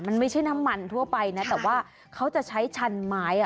มันไม่ใช่น้ำมันทั่วไปนะแต่ว่าเขาจะใช้ชันไม้อ่ะ